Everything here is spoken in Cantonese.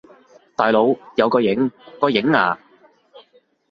大佬，有個影！個影呀！